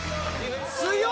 ・強い！